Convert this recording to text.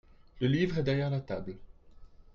Le livre est derrière la table.